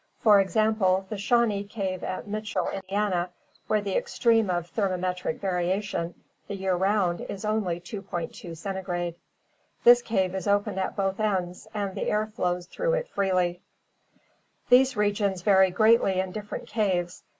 For example, the Shawnee Cave at Mitchell, Indiana, where the extreme of thermometric variation the year round is only 2.20 Centigrade. This cave is open at both ends and the air flows through it freely. CAVE AND DEEP SEA LIFE 371 These regions vary greatly in different caves.